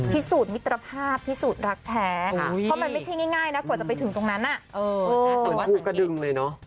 พิสูจน์มิตรภาพพิสูจน์รักแท้เพราะมันไม่ใช่ง่ายเป็นแบบจะไปที่ตรงนั้น